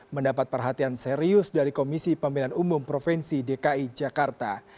mendapat perhatian serius dari komisi pemilihan umum provinsi dki jakarta